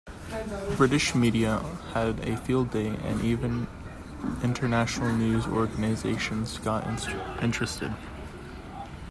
British media had a field day and even international news organizations got interested.